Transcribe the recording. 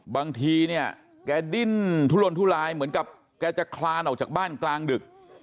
บางทีเนี่ยแกดิ้นทุลนทุลายเหมือนกับแกจะคลานออกจากบ้านกลางดึก